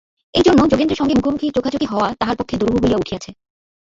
এইজন্য যোগেন্দ্রের সঙ্গে মুখোমুখি-চোখোচোখি হওয়া তাহার পক্ষে দুরূহ হইয়া উঠিয়াছে।